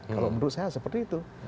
kalau menurut saya seperti itu